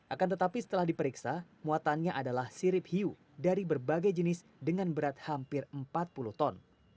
akan tetapi setelah diperiksa muatannya adalah sirip hiu dari berbagai jenis dengan berat hampir empat puluh ton